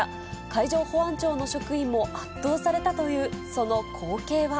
海上保安庁の職員も圧倒されたというその光景は。